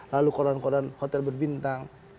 lalu koran koran hotel berbintang